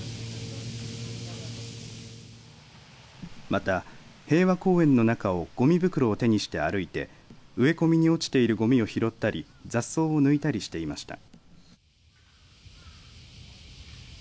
また、平和公園の中をごみ袋を手にして歩いて植え込みに落ちているごみを拾ったり雑草を抜いたりしていました。